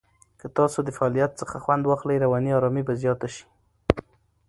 که تاسو د فعالیت څخه خوند واخلئ، رواني آرامۍ به زیاته شي.